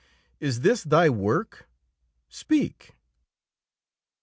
"Is this thy work? Speak!"